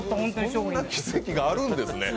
そんな奇跡があるんですね。